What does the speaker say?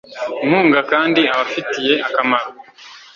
inkunga kandi abafitiye akamaro